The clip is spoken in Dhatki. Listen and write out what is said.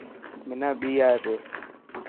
منا ٻي آئي پيو.